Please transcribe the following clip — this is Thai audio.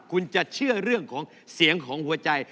คุณจะเชื่อเรื่องของเสียงของหัวใจ